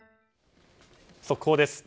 速報です。